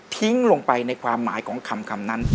ทิ้งลงไปในความหมายของคำนั้น